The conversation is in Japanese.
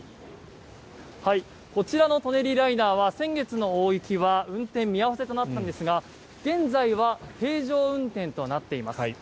こちらの舎人ライナーは先月の大雪は運転見合わせとなったんですが現在は平常運転となっています。